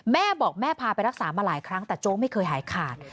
แม่บอกแม่พาไปรักษามาหลายครั้งแต่โจ๊กไม่เคยหายขาด